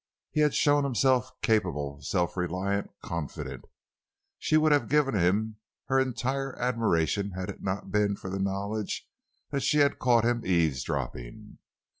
He had shown himself capable, self reliant, confident. She would have given him her entire admiration had it not been for the knowledge that she had caught him eavesdropping.